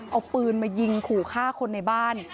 เอาปืนมายิงขู่ฆ่าคนในบ้าน